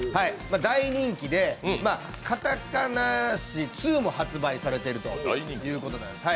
大人気で、カタカナーシ２も発売されているということなんです。